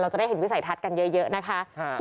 จะได้เห็นวิสัยทัศน์กันเยอะนะคะ